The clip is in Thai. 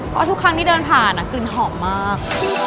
เพราะทุกครั้งที่เดินผ่านกลิ่นหอมมาก